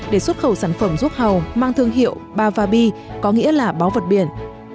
để xuất khẩu sản phẩm ruốc hàu mang thương hiệu bavabi có nghĩa là báo vật biển